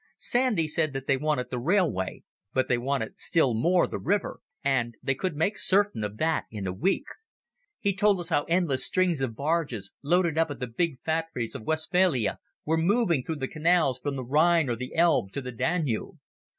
Sandy said that they wanted the railway, but they wanted still more the river, and they could make certain of that in a week. He told us how endless strings of barges, loaded up at the big factories of Westphalia, were moving through the canals from the Rhine or the Elbe to the Danube.